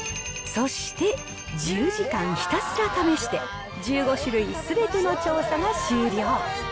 そして、１０時間ひたすら試して、１５種類すべての調査が終了。